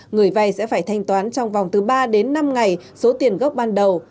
người vay sẽ phải thanh toán trong vòng từ ba đến năm ngày số tiền gốc ban đầu